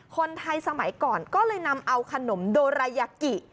สมัยก่อนก็เลยนำเอาขนมโดรายากิ